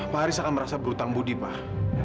pak haris akan merasa berhutang budi pak